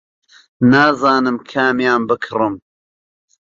نازانم کامیان بکڕم.